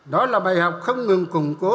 đó là bài học không ngừng củng cố